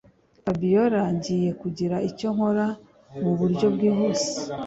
Fabiora ngiye kugira icyo nkora muburyo bwihuse